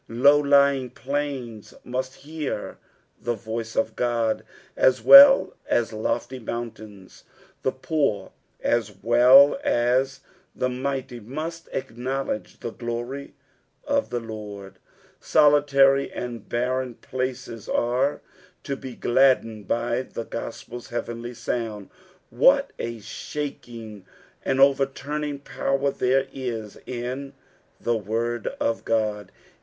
Low lying plains must hear the voice of Qod aa well aa lofty mountaioa ; the poor sa well as the mighty must acknowledge the glory of the Lord. Solitary and barren places are to be gladdened by the gospel's heavenly sound. What a shaking and overturning power there is in the word of Qod